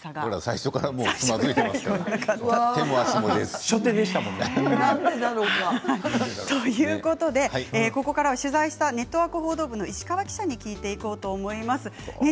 最初からつまずいていますからここからは取材したネットワーク報道部の石川記者に聞いていこうと思います。